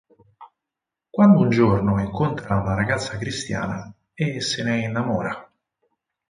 Quando un giorno incontra una ragazza cristiana e se ne innamora.